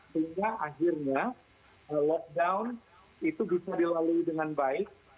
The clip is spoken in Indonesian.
sehingga akhirnya lockdown itu bisa dilalui dengan baik